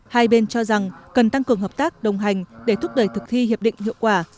hai bên cho rằng cần tăng cường hợp tác đồng hành để thúc đẩy thực thi hiệp định hiệu quả